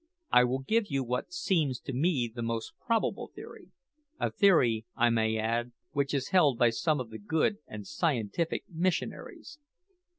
I will give you what seems to me the most probable theory a theory, I may add, which is held by some of the good and scientific missionaries.